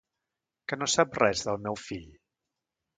Que no saps res del meu fill?